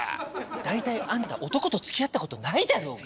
大体あんた男とつきあったことないだろうが！